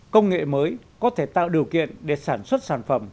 công nghệ mới có thể tạo điều kiện để sản xuất sản phẩm